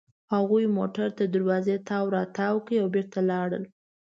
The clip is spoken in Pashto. هغوی موټر تر دروازې تاو راتاو کړل او بېرته لاړل.